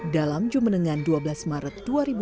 dalam jumenengan dua belas maret dua ribu dua puluh